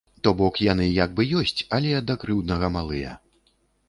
То бок яны як бы ёсць, але да крыўднага малыя.